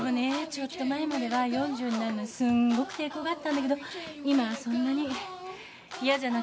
ちょっと前までは４０になるのすんごく抵抗があったんだけど今はそんなに嫌じゃなくなってきたんだよね。